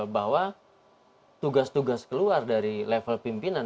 bahwa tugas tugas keluar dari level pimpinan